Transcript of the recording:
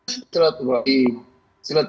siratu rahim siratu